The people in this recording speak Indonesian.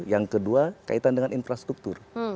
yang kedua kaitan dengan infrastruktur